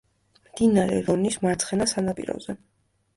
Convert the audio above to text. მდინარე რონის მარცხენა სანაპიროზე.